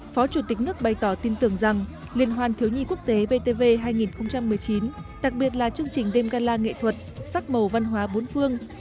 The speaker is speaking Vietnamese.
phó chủ tịch nước bày tỏ tin tưởng rằng liên hoan thiếu nhi quốc tế vtv hai nghìn một mươi chín đặc biệt là chương trình đêm gala nghệ thuật sắc màu văn hóa bốn phương